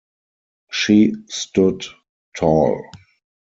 She stood tall.